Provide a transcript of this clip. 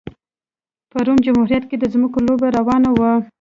په روم جمهوریت کې د ځمکو لوبه روانه وه